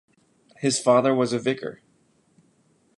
His father was a vicar.